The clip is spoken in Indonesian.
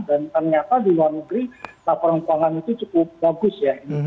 dan ternyata di luar negeri laporan keuangan itu cukup bagus ya